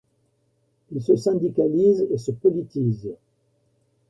Il se syndicalise et se politise.